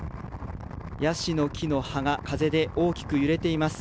ヤシの木の葉が風で大きく揺れています。